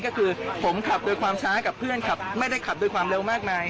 ก็คือผมขับโดยความช้ากับเพื่อนขับไม่ได้ขับด้วยความเร็วมากมาย